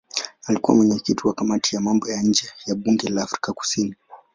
Alikuwa mwenyekiti wa kamati ya mambo ya nje ya bunge la Afrika Kusini.